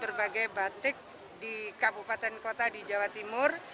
berbagai batik di kabupaten kota di jawa timur